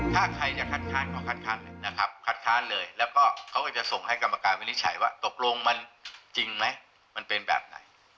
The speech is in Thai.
ถ้าใครจะคัดค้านก็คัดค้านเลยนะครับคัดค้านเลยแล้วก็เขาก็จะส่งให้กรรมการวินิจฉัยว่าตกลงมันจริงไหมมันเป็นแบบไหน